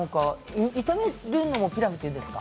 炒めるのもピラフというんですか。